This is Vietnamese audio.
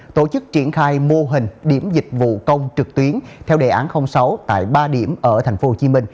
tổ chức triển khai mô hình điểm dịch vụ công trực tuyến theo đề án sáu tại ba điểm ở tp hcm